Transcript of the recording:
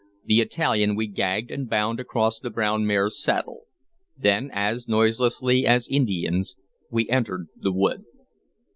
The Italian we gagged and bound across the brown mare's saddle. Then, as noiselessly as Indians, we entered the wood.